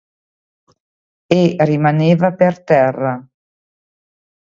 E rimaneva per terra.